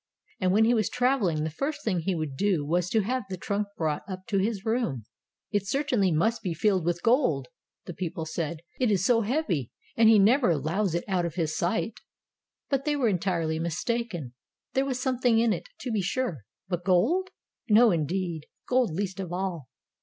And when he was traveling, the first thing he would do was to have the trunk brought up to his room. Tales of Modern Germany i6i certainly must be filled with gold/' the people said. 'Mt is so heavy, and he never allows it out of his sight." But they were entirely mistaken. There was something in it, to be sure. But gold ? No, indeed! Gold least of all.